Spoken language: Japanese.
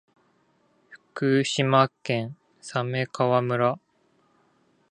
福島県鮫川村